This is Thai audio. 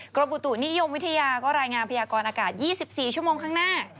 กรมอุตุนิยมวิทยาก็รายงานพยากรอากาศ๒๔ชั่วโมงข้างหน้า